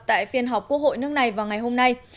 tại phiên họp quốc hội nước này vào ngày hôm nay